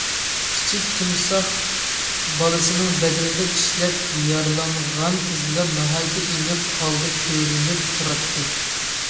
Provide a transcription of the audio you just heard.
كىچىك تىمساھ بالىسىنىڭ بەدىنىدە چىشلەپ يارىلانغان ئىزلار ناھايىتى ئېنىق ھالدا كۆرۈنۈپ تۇراتتى.